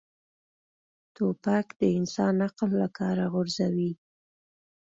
توپک د انسان عقل له کاره غورځوي.